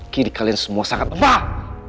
kiri kalian semua sangat lemah